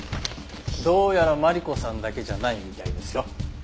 どうやらマリコさんだけじゃないみたいですよ。